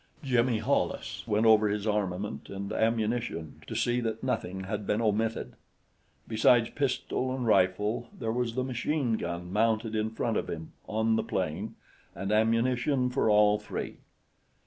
Jimmy Hollis went over his armament and ammunition to see that nothing had been omitted. Besides pistol and rifle, there was the machine gun mounted in front of him on the plane, and ammunition for all three.